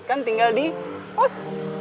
kan tinggal di pos